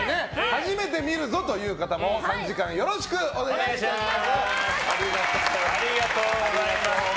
初めて見るぞという方も３時間よろしくお願いします。